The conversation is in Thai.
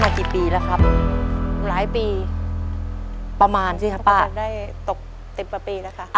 กี่ปีแล้วครับหลายปีประมาณสิครับป้าได้ตกสิบกว่าปีแล้วค่ะ